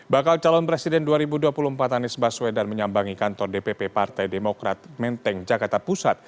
bakal calon presiden dua ribu dua puluh empat anies baswedan menyambangi kantor dpp partai demokrat menteng jakarta pusat